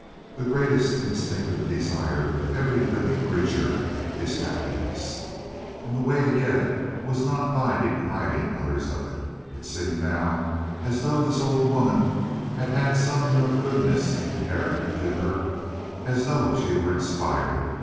The greatest instinctive desire of every living creature is happiness. And the way to get it was not by depriving others of it. It seemed now as though this old woman had had something of goodness inherent to her as though she were inspired?